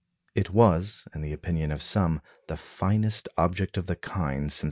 It was, in the opinion of some, the finest object of the kind since 1861.